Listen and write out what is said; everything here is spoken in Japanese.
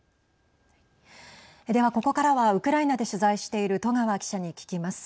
では、ここからはウクライナで取材している戸川記者に聞きます。